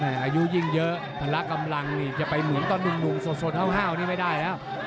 อายุยิ่งเยอะพละกำลังจะไปเหมือนตอนดุงสดเฮ่าไม่ได้ครับ